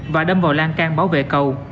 và đâm vào lan can bảo vệ cầu